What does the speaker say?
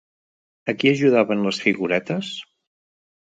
A qui ajudaven les figuretes?